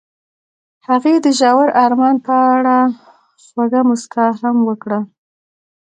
هغې د ژور آرمان په اړه خوږه موسکا هم وکړه.